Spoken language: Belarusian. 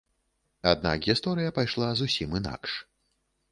Аднак гісторыя пайшла зусім інакш.